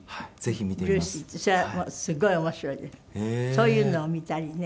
そういうのを見たりね。